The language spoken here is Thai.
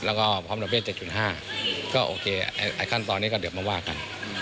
แล้วก็พร้อมดอกเบี้๗๕ก็โอเคขั้นตอนนี้ก็เดี๋ยวมาว่ากัน